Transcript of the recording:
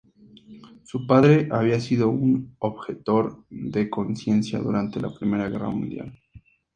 Su padre había sido un objetor de conciencia durante la Primera Guerra Mundial.